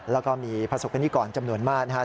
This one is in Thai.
แล้วก็มีประสบกรณิกรจำนวนมากนะครับ